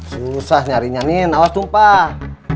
susah nyarinya nin awas tumpah